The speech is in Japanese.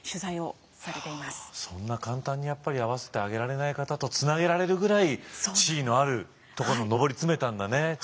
そんな簡単にやっぱり会わせてあげられない方とつなげられるぐらい地位のあるところに上り詰めたんだね。